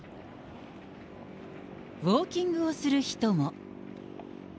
ウォーキングをする人も。